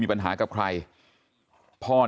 มาถูกทำกลับไปก็เรียน